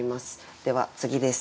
では次です。